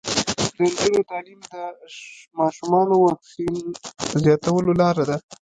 د نجونو تعلیم د ماشومانو واکسین زیاتولو لاره ده.